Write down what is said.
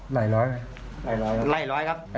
หลายร้อยครับ